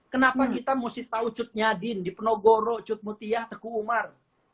kenapa kita mesti tahu cud nyadin dipenogoro cud mutiyah teku umar